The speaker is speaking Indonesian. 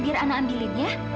biar anak ambilin ya